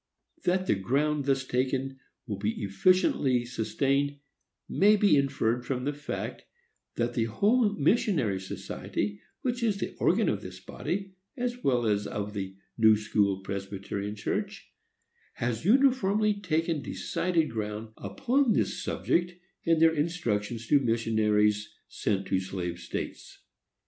That the ground thus taken will be efficiently sustained, may be inferred from the fact that the Home Missionary Society, which is the organ of this body, as well as of the New School Presbyterian Church, has uniformly taken decided ground upon this subject in their instructions to missionaries sent into slave states.